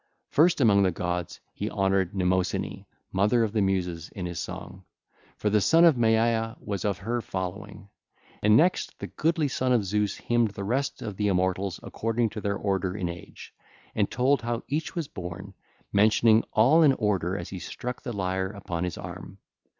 First among the gods he honoured Mnemosyne, mother of the Muses, in his song; for the son of Maia was of her following. And next the goodly son of Zeus hymned the rest of the immortals according to their order in age, and told how each was born, mentioning all in order as he struck the lyre upon his arm.